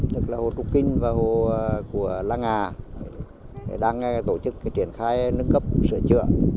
tức là hồ trúc kinh và hồ của lăng hà đang tổ chức triển khai nâng cấp sửa chữa